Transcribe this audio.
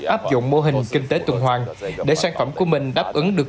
áp dụng mô hình kinh tế tuần hoàng để sản phẩm của mình đáp ứng được